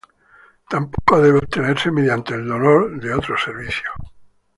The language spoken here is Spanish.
Tampoco debe obtenerse mediante el dolor de otro ser vivo.